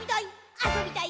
あそびたい！